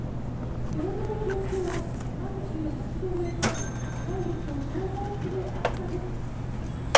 手元の気温計は３８度超えと体力を消耗する暑さです。